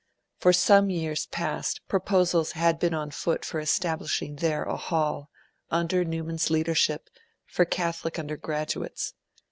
For some years past proposals had been on foot for establishing there a Hall, under Newman's leadership, for Catholic undergraduates.